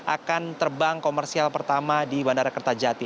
akan terbang komersial pertama di bandara kertajati